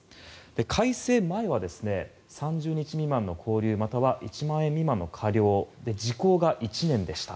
改正前は３０日未満の拘留または１万円未満の科料時効が１年でした。